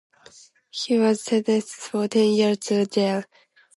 He was sentenced for ten years to jail.